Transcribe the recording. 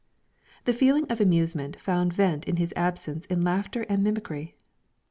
The feeling of amusement found vent in his absence in laughter and mimicry.